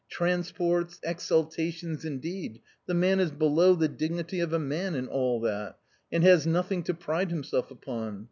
Transports, exultations indeed, the man is below the dignity of a man in all that, and has nothing to pride himself upon.